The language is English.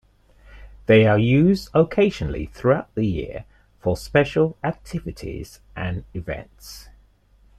They are used occasionally throughout the year for special activities and events.